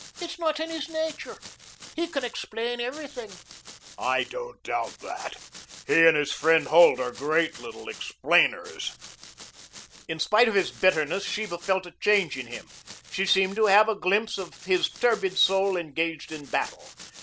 It is not in his nature. He can explain everything." "I don't doubt that. He and his friend Holt are great little explainers." In spite of his bitterness Sheba felt a change in him. She seemed to have a glimpse of his turbid soul engaged in battle.